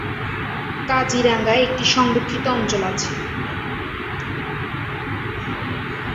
কাজিরাঙায় একটি সংরক্ষিত অঞ্চল আছে।